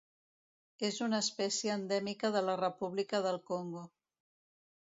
És una espècie endèmica de la República del Congo.